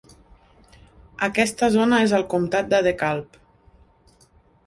Aquesta zona és al comtat de DeKalb.